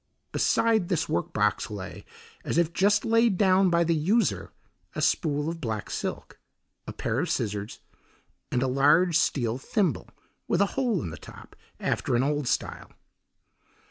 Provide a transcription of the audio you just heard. Beside this work box lay, as if just laid down by the user, a spool of black silk, a pair of scissors, and a large steel thimble with a hole in the top, after an old style.